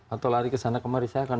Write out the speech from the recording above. atau lari ke sana kemari saya akan